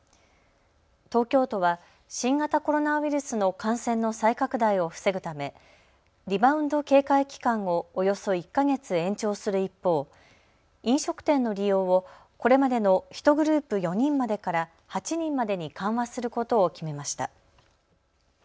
東京都は新型コロナウイルスの感染の再拡大を防ぐためリバウンド警戒期間をおよそ１か月延長する一方、飲食店の利用をこれまでの１グループ４人までから８人までに緩和することを決めました。